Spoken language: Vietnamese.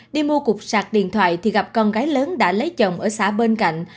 đi mua cục sạc điện thoại thì gặp con gái lớn đã lấy chồng ở xã bên cạnh